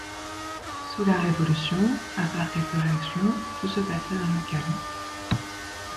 Sous la Révolution, à part quelques réactions, tout se passa dans le calme.